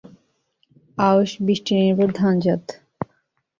আউশ বৃষ্টি নির্ভর ধান জাত।